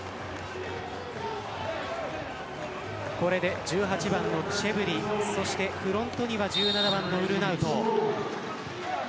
これで１８番のチェブリフロントには１７番のウルナウト。